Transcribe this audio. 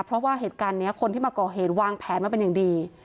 เพราะว่าเหตุการณ์นี้คนที่มาก่อเหตุวางแผนมาเป็นอย่างดี